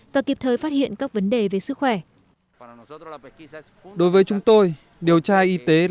và kịp thời phát hiện các vấn đề về sức khỏe